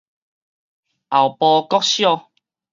後埔國小